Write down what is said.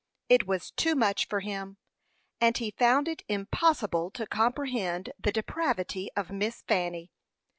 It was too much for him, and he found it impossible to comprehend the depravity of Miss Fanny.